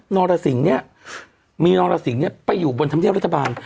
รสิงห์เนี่ยมีนรสิงห์ไปอยู่บนธรรมเนียบรัฐบาล